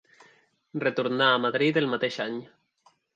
Retornà a Madrid el mateix any.